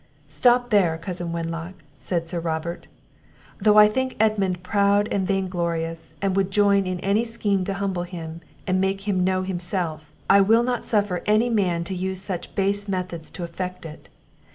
"Stop there, cousin Wenlock," said Sir Robert; "though I think Edmund proud and vain glorious, and would join in any scheme to humble him, and make him know himself, I will not suffer any man to use such base methods to effect it.